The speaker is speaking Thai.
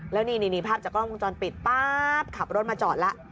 แล้วนี่ภาพจากกล้องกล้องจอดปิดป๊าปขับรถมาจอดละ